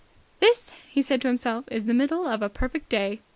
"This," he said to himself; "is the middle of a perfect day!